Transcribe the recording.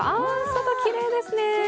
外、きれいですね。